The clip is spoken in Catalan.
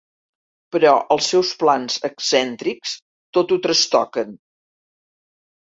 Però els seus plans excèntrics tot ho trastoquen.